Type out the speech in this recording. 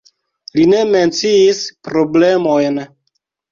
Li ne menciis problemojn.